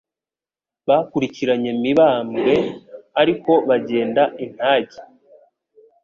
Bakurikiranye Mibambwe, ariko bagenda intage,